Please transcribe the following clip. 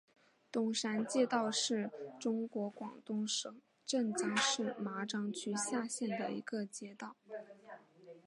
东山街道是中国广东省湛江市麻章区下辖的一个街道。